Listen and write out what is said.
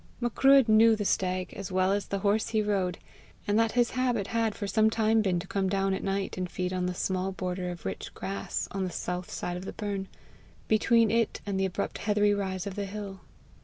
Macruadh knew the stag as well as the horse he rode, and that his habit had for some time been to come down at night and feed on the small border of rich grass on the south side of the burn, between it and the abrupt heathery rise of the hill.